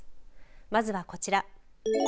まずはこちら。